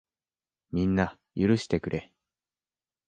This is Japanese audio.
みんな、許してくれ。